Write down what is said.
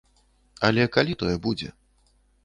Але калі тое будзе?